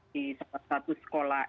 di satu sekolah